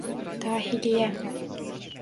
Dahiliye.